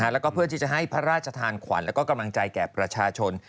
แล้วก็เพื่อที่จะให้พระราชทานขวัญและกำลังใจแก่ประชาชน